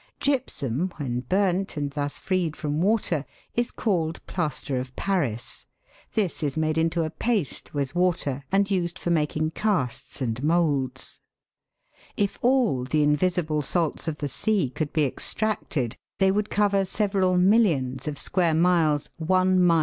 Gypsum, when burnt, and thus freed from water, is called plaster of Paris ; this is made into a paste with water and used for making casts and moulds. If all the invisible salts of the sea could be extracted, they would cover several millions of square miles one mile * Sea water is not nearly saturated.